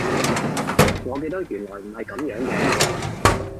我記得原來唔係噉樣嘅